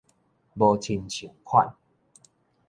無親像款